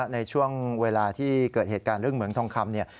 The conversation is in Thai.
ในช่วงเวลาที่เกิดเหตุการณ์เรื่องเหมืองทองคำเนี่ย